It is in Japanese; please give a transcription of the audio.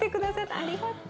ありがとう。